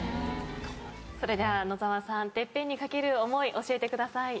それでは野澤さんＴＥＰＰＥＮに懸ける思い教えてください。